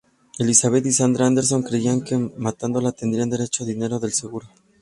Elizabeth y Sandra Andersen creían que matándola, tendrían derecho a dinero del seguro.